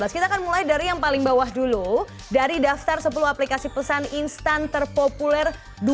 kita akan mulai dari yang paling bawah dulu dari daftar sepuluh aplikasi pesan instan terpopuler dua ribu dua puluh